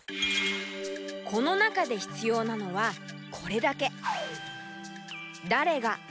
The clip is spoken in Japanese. この中でひつようなのはこれだけ。